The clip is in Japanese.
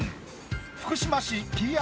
福島市ＰＲ